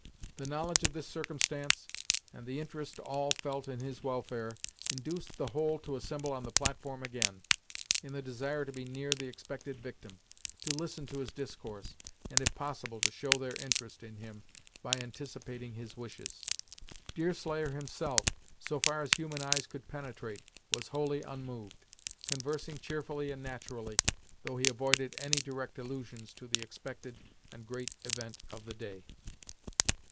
The knowledge of this circumstance, and the interest all felt in his welfare, induced the whole to assemble on the platform again, in the desire to be near the expected victim, to listen to his discourse, and if possible to show their interest in him by anticipating his wishes. Deerslayer, himself, so far as human eyes could penetrate, was wholly unmoved, conversing cheerfully and naturally, though he avoided any direct allusions to the expected and great event of the day.